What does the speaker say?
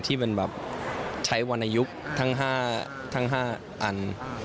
ที่ใช้วรรณยุคทั้ง๕อัน